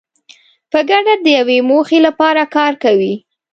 په ګډه د یوې موخې لپاره کار کوي.